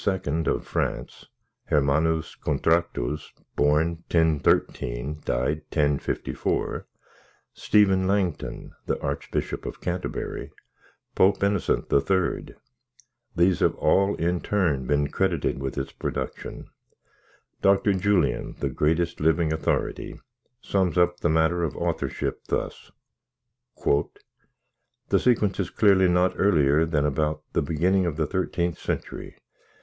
of France, Hermannus Contractus (born 1013, died 1054), Stephen Langton the Archbishop of Canterbury, Pope Innocent III.—these have all in turn been credited with its production. Dr. Julian, the greatest living authority, sums up the matter of authorship thus: "The sequence is clearly not earlier than about the beginning of the thirteenth century.